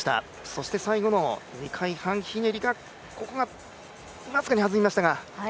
そして最後の２回半ひねりがここが僅かにはずみましたが。